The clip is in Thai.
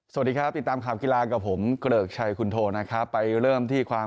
สวัสดีครับติดตามข่าวกีฬากับผมเกริกชัยคุณโทนะครับไปเริ่มที่ความ